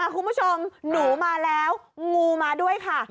คุณผู้ชมหนูมาแล้วงูมาด้วยค่ะ